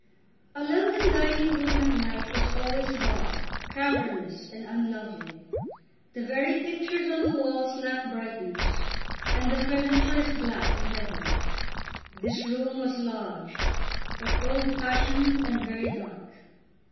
A London dining room at night is always dark, cavernous, and unlovely. The very pictures on the walls lack brightness, and the furniture is black and heavy. This room was large, but old fashioned and very dark.